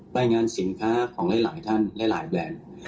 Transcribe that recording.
รายงานสินค้าของหลายท่านหลายแบรนด์